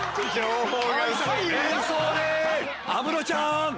安室ちゃん！